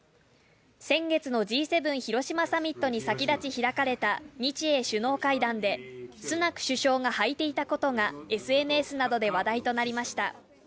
先月のＧ７広島サミットに先立ち開かれた日英首脳会談で、スナク首相がはいていたことがＳＮＳなどで話題となりました。